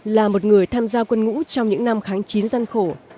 là một người tham gia quân ngũ trong những năm kháng chiến gian khổ